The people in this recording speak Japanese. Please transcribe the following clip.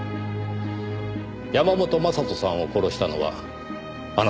山本将人さんを殺したのはあなたですね？